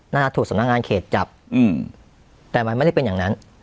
หน้าถูกสำนักงานเขตจับแต่มันไม่ได้เป็นอย่างนั้น